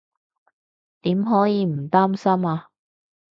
點可以唔擔心啊